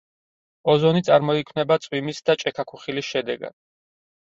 ოზონი წარმოიქმნება წვიმის და ჭექა-ქუხილის შედეგად.